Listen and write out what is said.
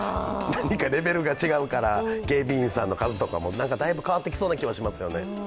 何かレベルが違うから警備員さんの数とかなんかだいぶ変わってきそうな感じがしますよね。